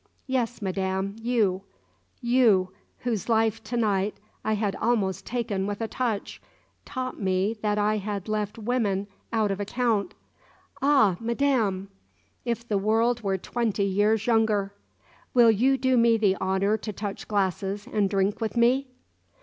Yes, madam, you you, whose life to night I had almost taken with a touch taught me that I had left women out of account. Ah, madam, if the world were twenty years younger! ... Will you do me the honour to touch glasses and drink with me?"